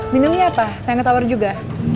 binumnya apa tengah tawar juga